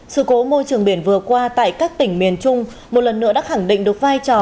sự cố môi trường biển vừa qua tại các tỉnh miền trung một lần nữa đã khẳng định được vai trò